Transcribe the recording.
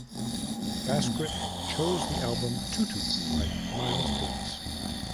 Basquiat chose the album "Tutu" by Miles Davis.